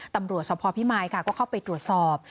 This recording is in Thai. ตำรวจสภพิมายค่ะก็เข้าไปตรวจสอบ